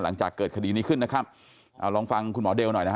หลังจากเกิดคดีนี้ขึ้นนะครับเอาลองฟังคุณหมอเดลหน่อยนะฮะ